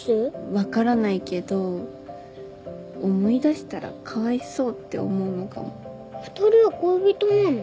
わからないけど思い出したらかわいそうって思うのかも２人は恋人なの？